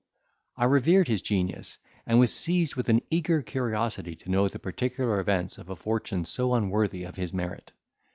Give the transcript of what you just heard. I revered his genius, and was seized with an eager curiosity to know the particular events of a fortune so unworthy of his merit.